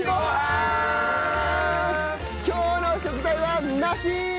今日の食材は梨！